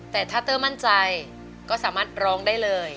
แต่ถ้าเตอร์มั่นใจก็สามารถร้องได้เลย